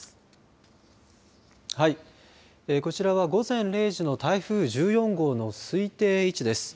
こちらは午前０時の台風１４号の推定位置です。